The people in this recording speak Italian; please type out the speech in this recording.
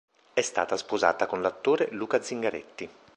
È stata sposata con l'attore Luca Zingaretti.